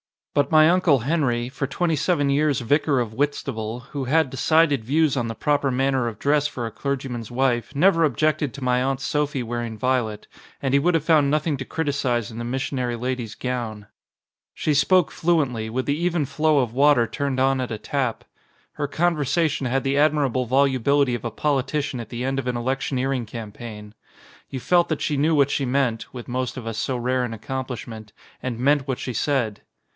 But my Uncle Henry, for twenty seven years Vicar of Whitstable, who had decided views on the proper manner of dress for a clergyman's wife, never objected to my Aunt Sophie wearing violet, and he would have found nothing to criticise in 159 ON A CHINESE SCREEN the missionary lady's gown. She spoke fluently with the even flow of water turned on at a tap. Her conversation had the admirable volubility of a politician at the end of an electioneering cam paign. You felt that she knew what she meant (with most of us so rare an accomplishment) and meant what she said.